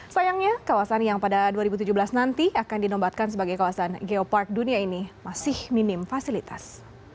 sayangnya kawasan yang pada dua ribu tujuh belas nanti akan dinombatkan sebagai kawasan geopark dunia ini masih minim fasilitas